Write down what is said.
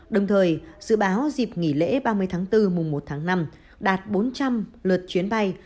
đồng thời dự báo dịp nghỉ lễ ba mươi tháng bốn mùa một tháng năm đạt bốn trăm linh lượt chuyến bay